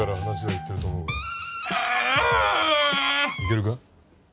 行けるか？